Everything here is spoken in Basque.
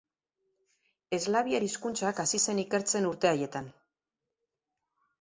Eslaviar hizkuntzak hasi zen ikertzen urte haietan.